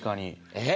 えっ？